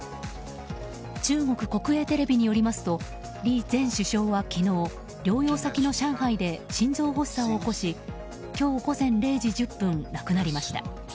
中国国営テレビによりますと李前首相は、昨日療養先の上海で心臓発作を起こし今日午前０時１０分亡くなりました。